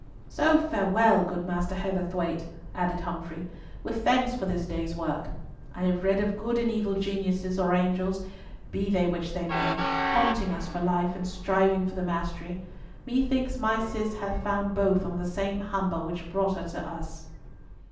"So farewell, good Master Heatherthwayte," added Humfrey, "with thanks for this day's work. I have read of good and evil geniuses or angels, be they which they may, haunting us for life, and striving for the mastery. Methinks my Cis hath found both on the same Humber which brought her to us."